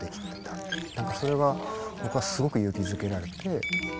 それが僕はすごく勇気づけられて。